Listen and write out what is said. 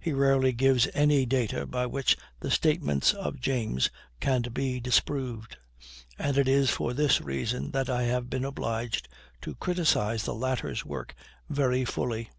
He rarely gives any data by which the statements of James can be disproved, and it is for this reason that I have been obliged to criticise the latter's work very fully.